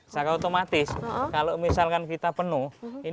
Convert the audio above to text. secara otomatis kalau misalkan kita penuh